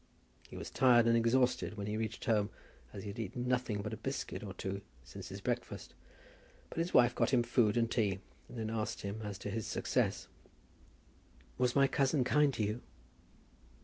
He was tired and exhausted when he reached home, as he had eaten nothing but a biscuit or two since his breakfast; but his wife got him food and tea, and then asked him as to his success. "Was my cousin kind to you?"